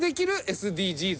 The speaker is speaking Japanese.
ＳＤＧｓ。